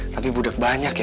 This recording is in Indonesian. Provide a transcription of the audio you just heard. tapi budek banyak ya